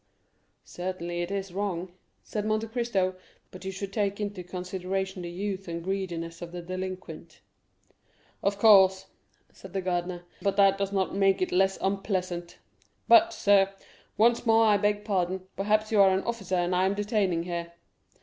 "Certainly, it is wrong," said Monte Cristo, "but you should take into consideration the youth and greediness of the delinquent." "Of course," said the gardener, "but that does not make it the less unpleasant. But, sir, once more I beg pardon; perhaps you are an officer that I am detaining here."